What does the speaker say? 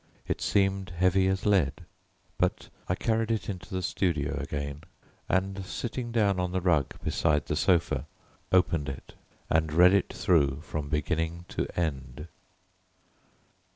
It seemed heavy as lead, but I carried it into the studio again, and sitting down on the rug beside the sofa, opened it and read it through from beginning to end.